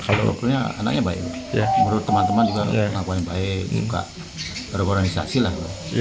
kalau anaknya baik menurut teman teman juga ngakuannya baik berorganisasi lah